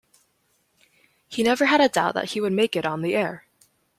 He never had a doubt that he would make it on the air.